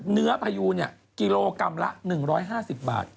พยูนกิโลกรัมละ๑๕๐บาท